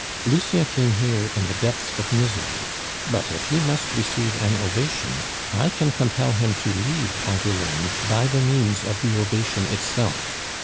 "Lucien came here in the depths of misery. But if he must receive an ovation, I can compel him to leave Angouleme by the means of the ovation itself.